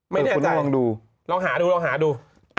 ไม่ได้ใจลองหาดู